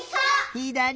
ひだり！